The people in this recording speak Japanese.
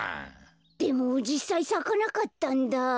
でもじっさいさかなかったんだ。